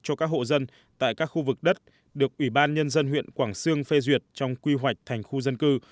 cho các hộ dân tại các khu vực đất được ủy ban nhân dân huyện quảng sương phê duyệt trong quy hoạch thành khu dân cư